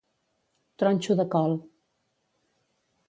Tronxo de col.